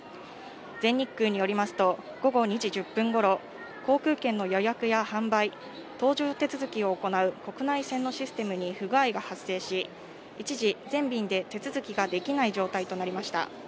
全日空によりますと、午後２時１０分ごろ、航空券の予約や販売、搭乗手続きを行う国内線のシステムに不具合が発生し、一時、全便で手続きができない状態となりました。